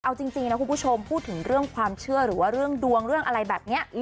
เอาจริงนะคุณผู้ชมพูดถึงเรื่องความเชื่อหรือว่าเรื่องดวงเรื่องอะไรแบบนี้